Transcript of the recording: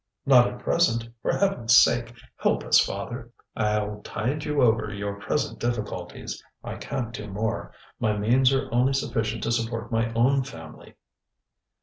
ŌĆØ ŌĆ£Not at present; for heavenŌĆÖs sake, help us, father! ŌĆØ ŌĆ£IŌĆÖll tide you over your present difficulties. I canŌĆÖt do more. My means are only sufficient to support my own family.